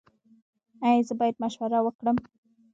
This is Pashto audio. ایا زه باید مشوره ورکړم؟